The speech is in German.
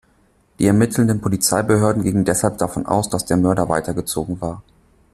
Die ermittelnden Polizeibehörden gingen deshalb davon aus, dass der Mörder weitergezogen war.